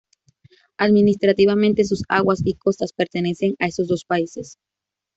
Administrativamente, sus aguas y costas pertenecen a esos dos países.